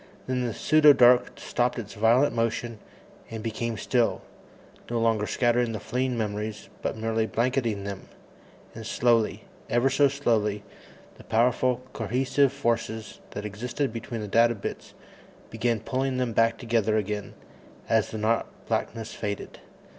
Then the pseudo dark stopped its violent motion and became still, no longer scattering the fleeing memories, but merely blanketing them. And slowly ever so slowly the powerful cohesive forces that existed between the data bits began pulling them back together again as the not blackness faded.